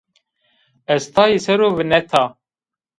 Ez tayê ser o vineta